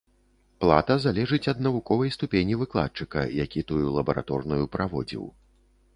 Плата залежыць ад навуковай ступені выкладчыка, які тую лабараторную праводзіў.